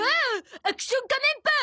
アクション仮面パン！